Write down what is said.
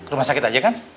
rumah sakit aja kan